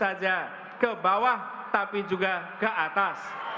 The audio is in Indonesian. tidak saja ke bawah tapi juga ke atas